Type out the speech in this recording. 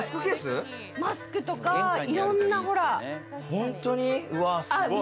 マスクとか、いろんなほら！